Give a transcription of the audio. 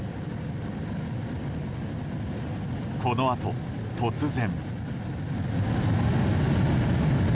このあと、突然。